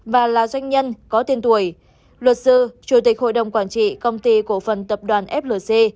và là doanh nhân có tên tuổi luật sư chủ tịch hội đồng quản trị công ty cổ phần tập đoàn flc